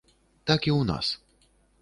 Так і ў нас.